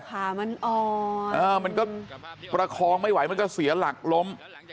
ขามันอ่อนมันก็ประคองไม่ไหวมันก็เสียหลักล้ม